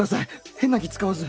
変な気使わず。